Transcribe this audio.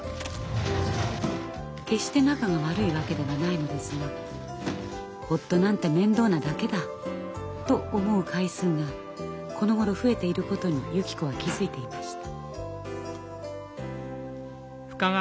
決して仲が悪いわけではないのですが夫なんて面倒なだけだと思う回数がこのごろ増えていることにゆき子は気付いていました。